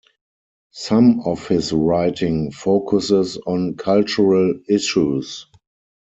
Some of his writing focuses on cultural issues.